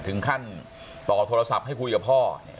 ถึงขั้นต่อโทรศัพท์ให้คุยกับพ่อ